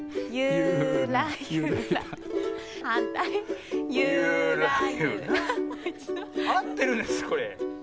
あってるんですかこれ？